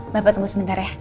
bapak tunggu sebentar ya